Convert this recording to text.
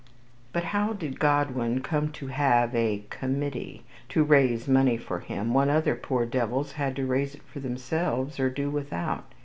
But how did Godwin come to have a "committee" to raise money for him, when other poor devils had to raise it for themselves, or do without?